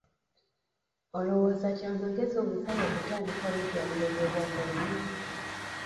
Olowooza kya magezi omusawo okutandikawo eddwaliro ly'obwannannyini?